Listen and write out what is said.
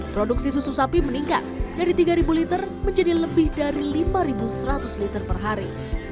produksi susu sapi meningkat dari tiga liter menjadi lebih dari lima seratus liter per hari